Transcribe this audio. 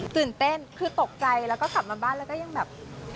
ตื่นเต้นคือตกใจแล้วก็กลับมาบ้านแล้วก็ยังแบบ